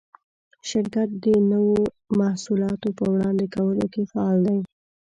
شرکت د نوو محصولاتو په وړاندې کولو کې فعال دی.